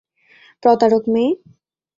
প্রতারক মেয়ে!